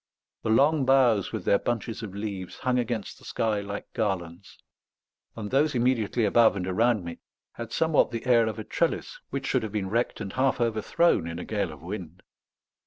The long boughs with their bunches of leaves hung against the sky like garlands; and those immediately above and around me had somewhat the air of a trellis which should have been wrecked and half overthrown in a gale of wind.